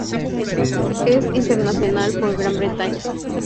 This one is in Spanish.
Es internacional por Gran Bretaña.